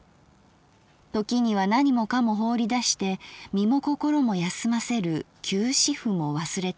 ときには何もかも放り出して身も心も休ませる休止符も忘れてはいけない。